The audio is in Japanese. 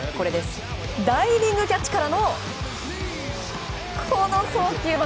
ダイビングキャッチからのこの送球。